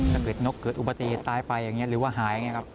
ถ้าเกิดนกเกิดอุบัติเหตุตายไปอย่างนี้หรือว่าหายอย่างนี้ครับ